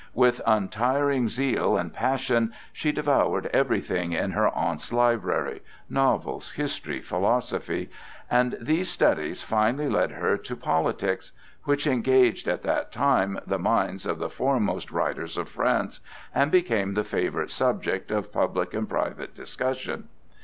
With untiring zeal and passion she devoured everything in her aunt's library,—novels, history, philosophy,—and these studies finally led her to politics, which engaged at that time the minds of the foremost writers of France and became the favorite subject of public and private discussion.